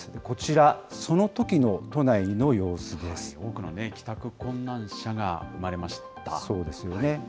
こちら、そのときの都内の様子で多くの帰宅困難者が生まれまそうですよね。